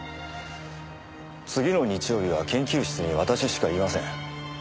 次の日曜日は研究室に私しかいません。